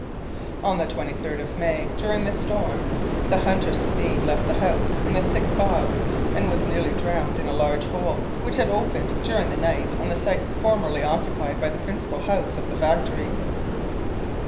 On the 23d of May, during the storm, the hunter Sabine left the house in the thick fog, and was nearly drowned in a large hole which had opened during the night on the site formerly occupied by the principal house of the factory.